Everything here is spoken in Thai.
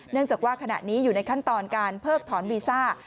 เนื่องจากว่าขณะนี้อยู่ในขั้นตอนการเพิกถอนวีซ่า